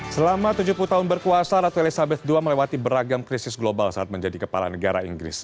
selama tujuh puluh tahun berkuasa ratu elizabeth ii melewati beragam krisis global saat menjadi kepala negara inggris